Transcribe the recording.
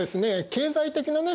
経済的なね